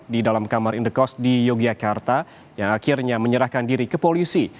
di dalam kamar indekos di yogyakarta yang akhirnya menyerahkan diri ke polisi